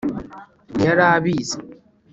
ntiyari abizi